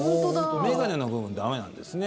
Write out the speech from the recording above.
眼鏡の部分、駄目なんですね。